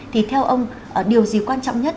thì theo ông điều gì quan trọng nhất